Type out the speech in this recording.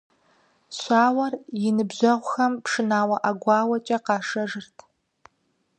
Щауэр и ныбжьэгъухэм пшынауэ, ӀэгуауэкӀэ къашэжырт.